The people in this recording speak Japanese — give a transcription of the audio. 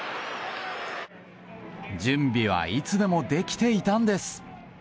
準備はいつでもできていたんです。